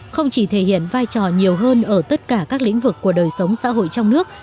không chỉ thể hiện vai trò nhiều hơn ở tất cả các lĩnh vực của đời sống xã hội trong nước